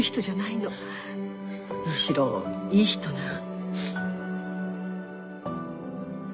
むしろいい人なの。